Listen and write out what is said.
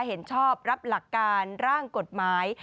เห็นชอบรับหลักการร่างกฎหมาย